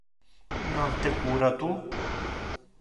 Non te cura tu?